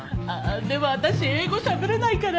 でも私英語しゃべれないから。